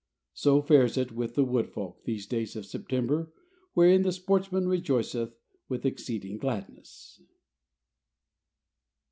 So fares it with the wood folk, these days of September, wherein the sportsman rejoiceth with exceeding gladness.